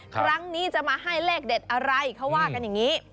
ครั้งนี้จะมาให้เลขเด็ดอะไรเขาว่ากันอย่างนี้